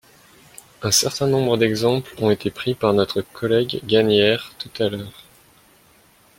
Un certain nombre d’exemples ont été pris par notre collègue Gagnaire tout à l’heure.